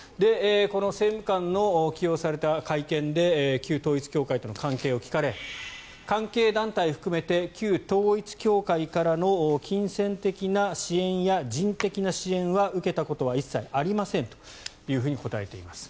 この政務官に起用された会見で旧統一教会との関係を聞かれ関係団体を含めて旧統一教会からの金銭的な支援や人的な支援は受けたことは一切ありませんというふうに答えています。